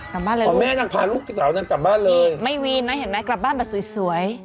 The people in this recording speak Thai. กลับบ้านเลยลูกอีกไม่วีนนะเห็นไหมกลับบ้านแบบสวย